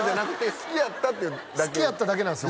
好きやっただけなんすよ